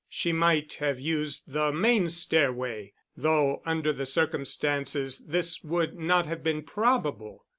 She might have used the main stair way, though under the circumstances this would not have been probable.